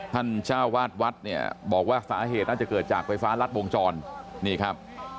เจ้าวาดวัดเนี่ยบอกว่าสาเหตุน่าจะเกิดจากไฟฟ้ารัดวงจรนี่ครับ